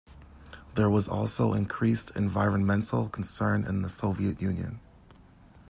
There was also increased environmental concern in the Soviet Union.